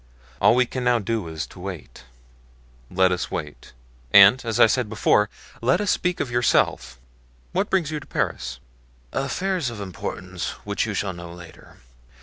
All we can now do is to wait. Let us wait; and, as I said before, let us speak of yourself. What brings you to Paris?" "Affairs of importance which you shall know later.